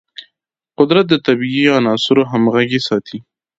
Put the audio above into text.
قدرت د طبیعي عناصرو همغږي ساتي.